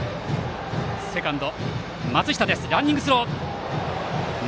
セカンド松下がランニングスロー！